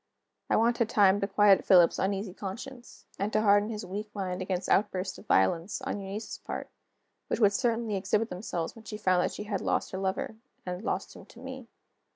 I wanted time to quiet Philip's uneasy conscience, and to harden his weak mind against outbursts of violence, on Eunice's part, which would certainly exhibit themselves when she found that she had lost her lover, and lost him to me.